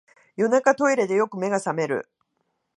夜中、トイレでよく目が覚める